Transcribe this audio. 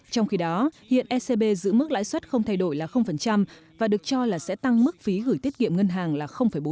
trong khi đó hiện ecb giữ mức lãi suất không thay đổi là và được cho là sẽ tăng mức phí gửi tiết kiệm ngân hàng là bốn